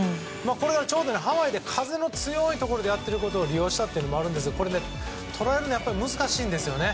これはちょうどハワイで風の強いところでやっていることを利用したというのもあるんですけど捉えるのはやっぱり難しいんですよね。